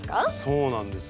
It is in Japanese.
そうなんですよ。